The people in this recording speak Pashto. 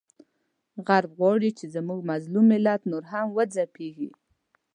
غرب غواړي چې زموږ مظلوم ملت نور هم وځپیږي،